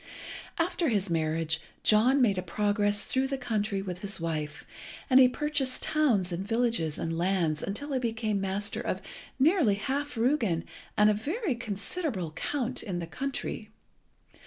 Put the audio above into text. After his marriage John made a progress through the country with his wife; and he purchased towns and villages and lands until he became master of nearly half Rügen and a very considerable Count in the country.